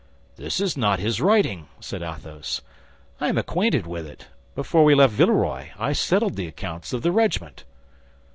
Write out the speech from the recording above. "This is not his writing!" said Athos. "I am acquainted with it; before we left Villeroy I settled the accounts of the regiment."